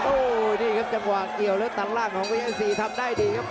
โอ๊ยนี้ครับจำว่าเอ๋วและตำร่างของพยายามสี่ทำได้ดีครับ